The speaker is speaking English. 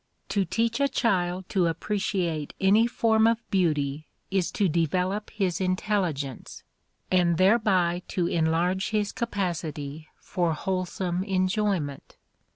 To teach a child to appreciate any form of beauty is to develop his intelligence, and thereby to enlarge his capacity for wholesome enjoyment.